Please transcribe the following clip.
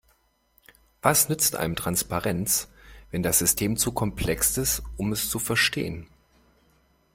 Was nützt einem Transparenz, wenn das System zu komplex ist, um es zu verstehen?